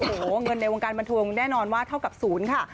โอ้โหเงินในวงการบันเทิงแน่นอนว่าเท่ากับศูนย์ค่ะ